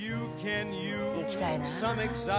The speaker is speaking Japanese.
行きたいな。